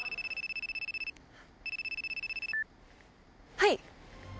はい。